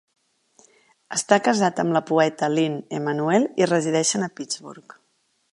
Està casat amb la poeta Lynn Emanuel i resideixen a Pittsburgh.